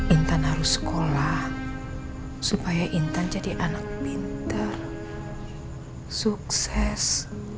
intan harus sekolah supaya intan jadi anak pintar sukses